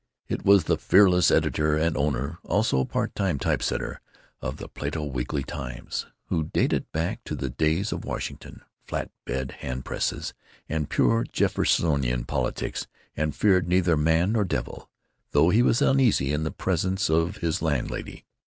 It was the fearless editor and owner (also part time type setter) of the Plato Weekly Times, who dated back to the days of Washington flat bed hand presses and pure Jeffersonian politics, and feared neither man nor devil, though he was uneasy in the presence of his landlady.